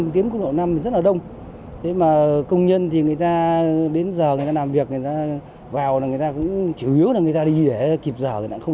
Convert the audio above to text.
từ những hành vi trên